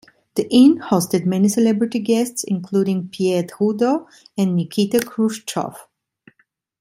The Inn hosted many celebrity guests, including Pierre Trudeau and Nikita Khrushchev.